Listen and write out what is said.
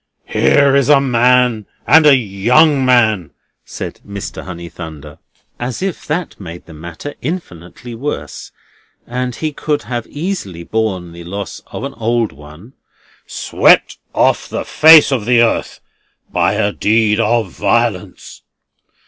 "Here is a man—and a young man," said Mr. Honeythunder, as if that made the matter infinitely worse, and he could have easily borne the loss of an old one, "swept off the face of the earth by a deed of violence.